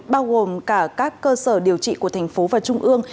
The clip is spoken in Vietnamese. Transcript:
bao gồm cả các cơ sở điều trị của thành phố và trung ương